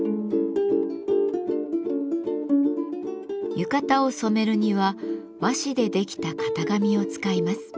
浴衣を染めるには和紙でできた型紙を使います。